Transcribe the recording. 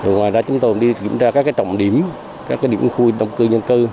ngoài ra chúng tôi đi kiểm tra các trọng điểm các điểm khui đồng cư nhân cư